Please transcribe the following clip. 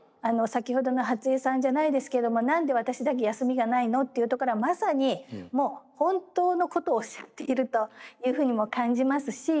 先ほどの初江さんじゃないですけども「何で私だけ休みがないの？」っていうところはまさにもう本当のことをおっしゃっているというふうにも感じますし。